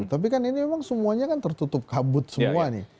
tapi kan ini memang semuanya kan tertutup kabut semua nih